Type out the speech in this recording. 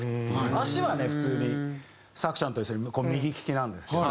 足はね普通にさくちゃんと一緒で右利きなんですけど。